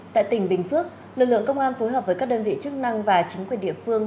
tại tỉnh bình phước lực lượng công an phối hợp với các đơn vị chức năng và chính quyền địa phương